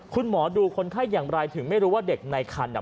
คุณหมอดูคนไข้อย่างไรถึงไม่รู้ว่าเด็กในคันอ่ะ